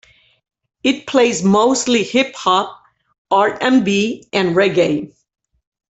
It plays mostly hip hop, R and B, and reggae.